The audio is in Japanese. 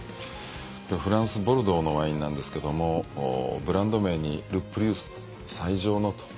これフランス・ボルドーのワインなんですけどもブランド名にルプリウス最上のと。